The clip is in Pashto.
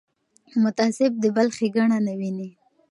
متعصب د بل ښېګڼه نه ویني